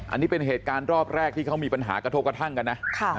อันนี้เป็นเหตุการณ์รอบแรกที่เขามีปัญหากระทบกระทั่งกันนะ